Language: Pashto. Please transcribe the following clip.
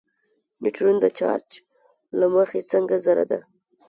نیوټرون د چارچ له مخې څنګه ذره ده.